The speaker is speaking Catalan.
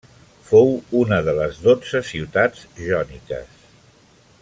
Fou una de les dotze ciutats jòniques.